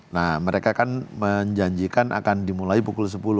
nah mereka kan menjanjikan akan dimulai pukul sepuluh